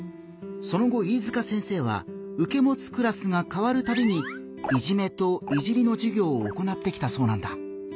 その後飯塚先生はうけもつクラスが変わるたびに「いじめ」と「いじり」のじゅぎょうを行ってきたそうなんだ。